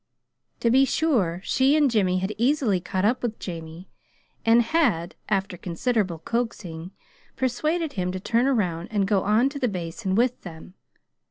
To be sure, she and Jimmy had easily caught up with Jamie, and had, after considerable coaxing, persuaded him to turn about and go on to the Basin with them.